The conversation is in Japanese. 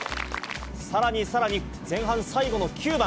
さらにさらに、前半最後の９番。